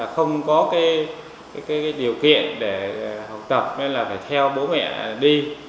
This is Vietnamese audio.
không có điều kiện để học tập hay là phải theo bố mẹ đi